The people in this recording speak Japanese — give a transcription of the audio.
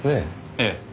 ええ。